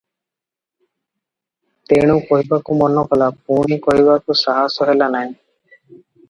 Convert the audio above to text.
ତେଣୁ କହିବାକୁ ମନ କଲା- ପୁଣି କହିବାକୁ ସାହସ ହେଲା ନାହିଁ ।